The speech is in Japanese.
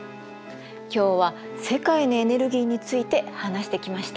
今日は世界のエネルギーについて話してきました。